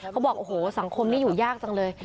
เขาบอกโอ้โหสังคมนี้อยู่ยากจังเลย